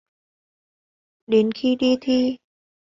Đến khi đi thi